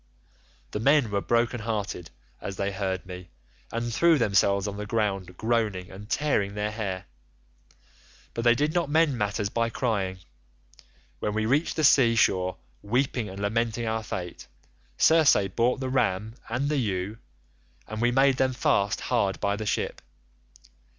"The men were broken hearted as they heard me, and threw themselves on the ground groaning and tearing their hair, but they did not mend matters by crying. When we reached the sea shore, weeping and lamenting our fate, Circe brought the ram and the ewe, and we made them fast hard by the ship.